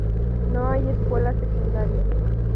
No hay escuelas secundarias.